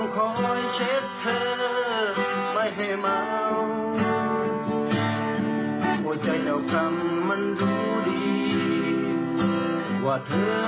เขาแปลงเนื้อ